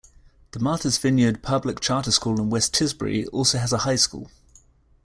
The Martha's Vineyard Public Charter School in West Tisbury also has a high school.